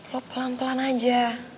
lo pelan pelan aja